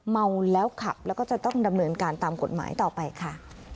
เมาแล้วขับแล้วก็จะต้องดำเนินการตามกฎหมายต่อไปค่ะ